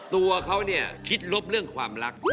ตัวเขาเนี่ยคิดลบเรื่องความรัก